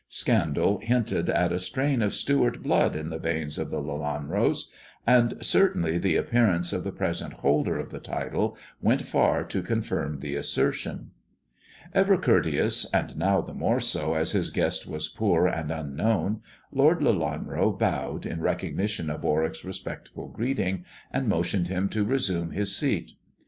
Scandal hinted at a strain of Stewart blood in the veins of the Lelanros, and certainly the appearance of the present holder of the title went far to confirm the assertion. Ever courteous, and now the more so as his guest was poor and unknown. Lord Lelanro bowed in recognition of Warwick's respectful greeting, and motioned him to resume his seat.